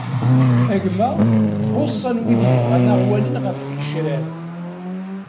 A gma bbuṣan wid yebɣan ad aɣ-walin ɣef tgecrar.